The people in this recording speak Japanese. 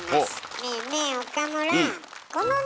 ねえねえ岡村。